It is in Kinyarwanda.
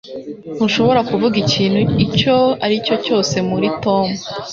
Ntushobora kuvuga ikintu icyo ari cyo cyose muri Tom